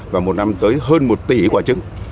và một năm tới hơn một tỷ quả trứng